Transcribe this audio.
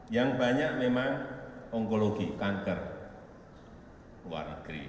yang banyak memang ongkologi kanker luar negeri